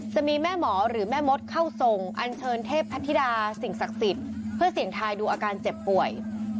จะมีแม่หมอหรือแม่มดเข้าทรงอันเชิญเทพธิดาสิ่งศักดิ์สิทธิ์เพื่อเสี่ยงทายดูอาการเจ็บป่วย